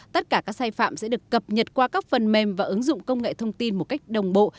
tất cả các sai phạm sẽ được cập nhật qua các phần mềm và ứng dụng công nghệ thông tin một cách đồng bộ